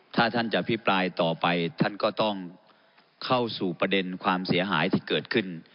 ถ้าท่านจะอภิปรายต่อไปท่านก็ต้องเข้าสู่ประเด็นความเสียหายที่เกิดขึ้น